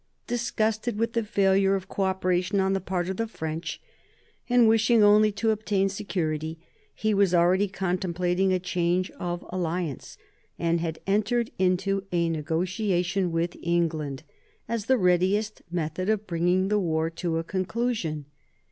Disgusted with the failure of co operation on the part of the French, and wishing only to obtain security, he was already contemplating a change of alliance, and had entered into a negotiation with England, as the readiest method of bringing the war to a conclu sion.